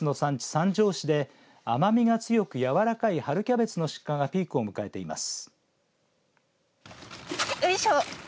三条市で甘みが強く柔らかい春キャベツの出荷がピークを迎えています。